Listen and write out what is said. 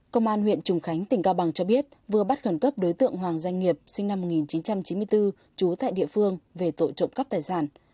công an huyện trùng khánh tỉnh cao bằng cho biết vừa bắt gần cấp đối tượng hoàng danh nghiệp sinh năm một nghìn chín trăm chín mươi bốn trú tại địa phương về tội trụng cấp tài sản